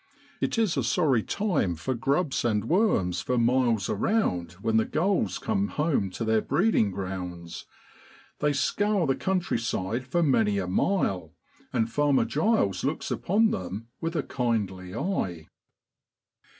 It is a sorry time for grubs and worms for miles around when the gulls come home to their breeding grounds; they scour the countryside for many a mile; and Farmer (riles looks upon them with a kindly eye.